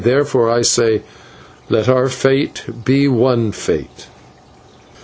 Therefore I say, let our fate be one fate."